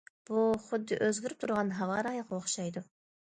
بۇ خۇددى ئۆزگىرىپ تۇرىدىغان ھاۋا رايىغا ئوخشايدۇ.